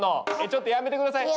ちょっとやめて下さい！